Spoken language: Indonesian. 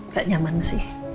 gak nyaman sih